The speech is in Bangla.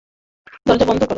দরজা বন্ধ কর!